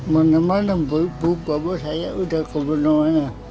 menemani ibu bapak saya sudah kebenarannya